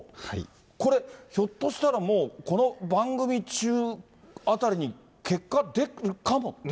これ、ひょっとしたらもうこの番組中あたりに結果出るかもと。